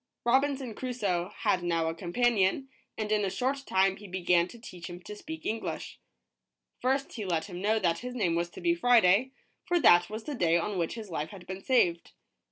Robinson Crusoe had now a companion, and in a short time he began to teach him to speak English. First he let him know that his name was to be Friday, for that was the day on which his life had been saved.